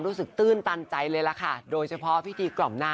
พ่อเอกเอกการใจซี